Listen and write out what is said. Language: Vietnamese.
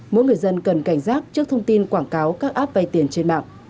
mỗi người dân cần cảnh giác trước thông tin quảng cáo các app vay tiền trên mạng